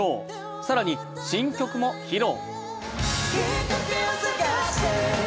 更に新曲も披露。